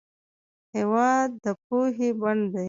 هېواد د پوهې بڼ دی.